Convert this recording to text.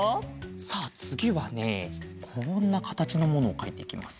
さあつぎはねこんなかたちのものをかいていきます。